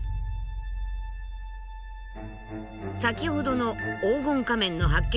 先ほどの黄金仮面の発見